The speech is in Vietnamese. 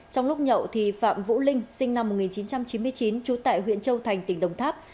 trong lúc nhậu phạm vũ linh sinh năm một nghìn chín trăm chín mươi chín trú tại huyện châu thành tỉnh đồng tháp